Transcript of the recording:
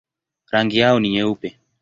Rangi yao ni nyeupe.